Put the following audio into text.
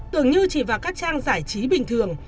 tưởng như chỉ vào các trang giải trí bình thường